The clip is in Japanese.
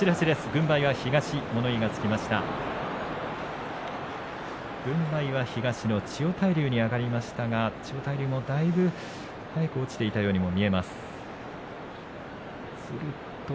軍配は東の千代大龍に上がりましたが千代大龍もだいぶ早く落ちていたようにも見えます。